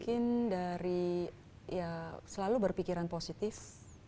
mungkin dari ya selalu berpikiran positif